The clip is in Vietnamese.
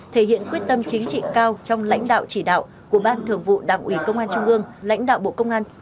thể hiện quyết tâm chính trị cao trong lãnh đạo chỉ đạo của ban thường vụ đảng ủy công an trung ương lãnh đạo bộ công an